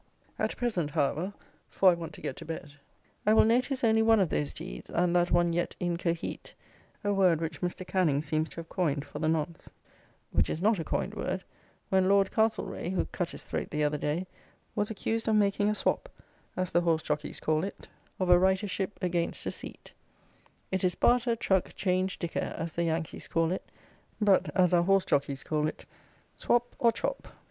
At present, however (for I want to get to bed) I will notice only one of those deeds, and that one yet "incohete," a word which Mr. Canning seems to have coined for the nonce (which is not a coined word), when Lord Castlereagh (who cut his throat the other day) was accused of making a swap, as the horse jockeys call it, of a writer ship against a seat. It is barter, truck, change, dicker, as the Yankees call it, but as our horse jockeys call it swap, or chop.